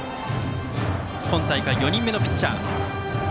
今大会４人目のピッチャー。